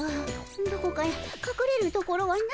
どこかかくれるところはないかの。